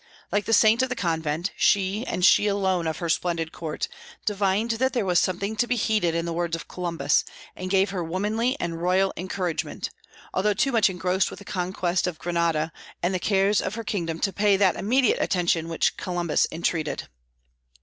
Like the saint of the convent, she, and she alone of her splendid court, divined that there was something to be heeded in the words of Columbus, and gave her womanly and royal encouragement, although too much engrossed with the conquest of Grenada and the cares of her kingdom to pay that immediate attention which Columbus entreated.